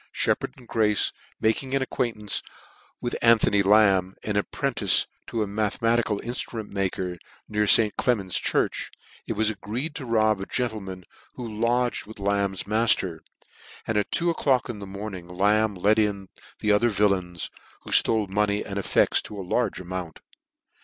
bheppard and Grace making an acquaintance with Anthony Lamb, an apprentice to a mathe matical inftrument maker near St. Clement's church, it was agreed to rob a gentleman who lodged with Lamb's mafter, and at two o'clock in the morning Lamb let in the other villains, who jflole money and effects to a large amount.